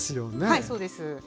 はいそうです。